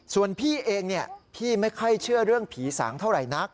ส่วนพี่เองพี่ไม่ค่อยเชื่อเรื่องผีสางเท่าไหร่นัก